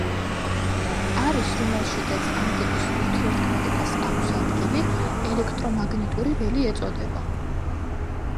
არეს, რომელშიდაც ამ ტიპის ურთიერთქმედებას აქვს ადგილი ელექტრომაგნიტური ველი ეწოდება.